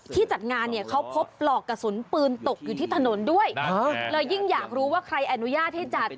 จัดงานเนี่ยเขาพบปลอกกระสุนปืนตกอยู่ที่ถนนด้วยเลยยิ่งอยากรู้ว่าใครอนุญาตให้จัด